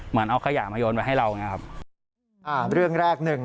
เหมือนเอาขยะมาโยนไว้ให้เราอย่างเงี้ครับอ่าเรื่องแรกหนึ่ง